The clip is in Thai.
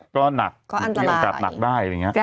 ก็หนักกลับหนักได้